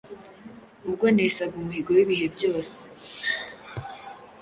Ubwo nesaga umuhigo w’ibihe byose